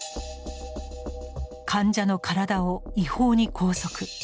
患者の体を違法に拘束。